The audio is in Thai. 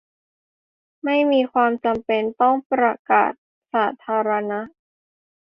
ไม่มีความจำเป็นต้องประกาศสาธารณะ